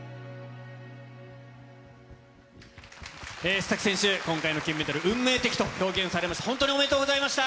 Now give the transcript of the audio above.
須崎選手、今回の金メダル、運命的と表現されました。